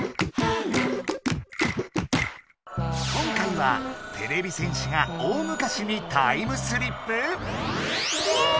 今回はてれび戦士が大昔にタイムスリップ⁉イエーイ！